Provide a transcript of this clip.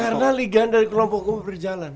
karena liganya dari kelompok gua berjalan